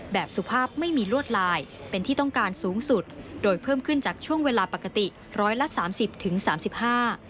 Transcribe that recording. สุภาพไม่มีลวดลายเป็นที่ต้องการสูงสุดโดยเพิ่มขึ้นจากช่วงเวลาปกติร้อยละสามสิบถึงสามสิบห้า